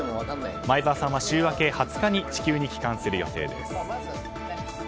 前澤さんは週明け２０日に地球に帰還する予定です。